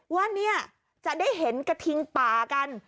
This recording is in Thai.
ว่าเนี่ยจะได้เห็นกระทิงป่ากัน